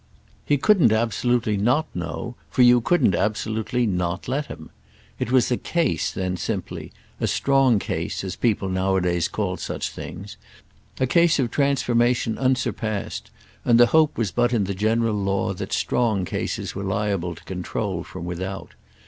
He couldn't absolutely not know, for you couldn't absolutely not let him. It was a case then simply, a strong case, as people nowadays called such things, a case of transformation unsurpassed, and the hope was but in the general law that strong cases were liable to control from without.